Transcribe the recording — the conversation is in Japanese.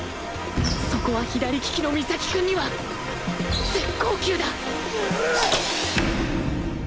そこは左利きの岬君には絶好球だ！